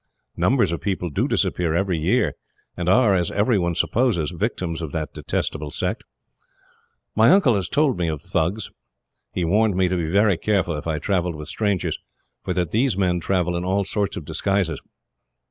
Numbers of people do disappear every year, and are, as everyone supposes, victims of that detestable sect. My uncle has told me of Thugs. He warned me to be very careful, if I travelled with strangers, for that these men travel in all sorts of disguises.